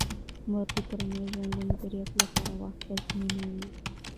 مور د کورني ژوند د مدیریت لپاره وخت تنظیموي.